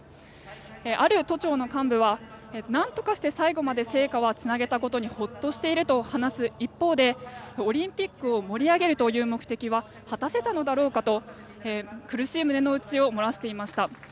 ある都庁の幹部はなんとかして最後まで聖火をつなげたことにホッとしていると話す一方でオリンピックを盛り上げるという目的は果たせたのだろうかと苦しい胸の内を漏らしていました。